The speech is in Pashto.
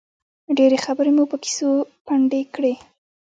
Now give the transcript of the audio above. ډېرې خبرې مو په کیسو پنډې کړې.